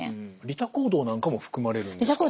利他行動なんかも含まれるんですか？